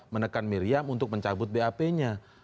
menekan miriam untuk mencabut bap nya